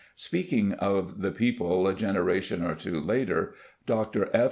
Speaking of the people a generation or two later, Dr. F.